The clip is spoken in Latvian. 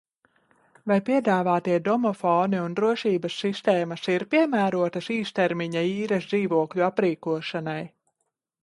Vai piedāvātie domofoni un drošības sistēmas ir piemērotas īstermiņa īres dzīvokļu aprīkošanai?